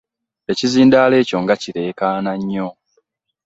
Ekizindalo ekyo nga kirekaana nnyo.